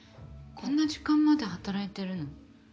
こんな時間まで働いてるの？